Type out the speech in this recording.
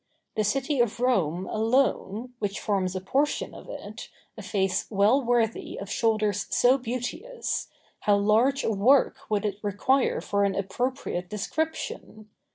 The city of Rome alone, which forms a portion of it, a face well worthy of shoulders so beauteous, how large a work would it require for an appropriate description!